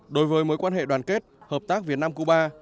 đối với mối quan hệ đoàn kết hợp tác việt nam cuba